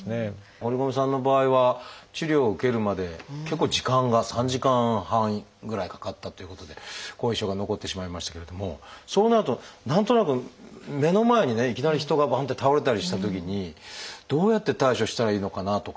堀米さんの場合は治療を受けるまで結構時間が３時間半ぐらいかかったっていうことで後遺症が残ってしまいましたけれどもそうなると何となく目の前にねいきなり人がバンって倒れたりしたときにどうやって対処したらいいのかなとか。